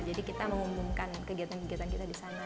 jadi kita mengumumkan kegiatan kegiatan kita di sana